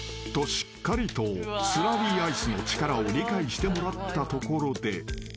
しっかりとスラリーアイスの力を理解してもらったところで］